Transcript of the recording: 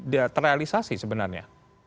bisa terrealisasi sebenarnya